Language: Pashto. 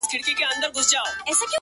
هو په همزولو کي له ټولو څخه پاس يمه ـ